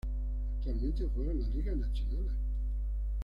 Actualmente juega en la Liga Națională.